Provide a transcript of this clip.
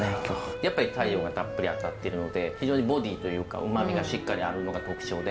やっぱり太陽がたっぷり当たってるので非常にボディーというかうまみがしっかりあるのが特徴で。